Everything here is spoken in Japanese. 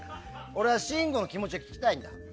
俺は信五の気持ちが聞きたいんだ。